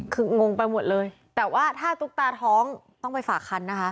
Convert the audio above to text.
คืองงไปหมดเลยแต่ว่าถ้าตุ๊กตาท้องต้องไปฝากคันนะคะ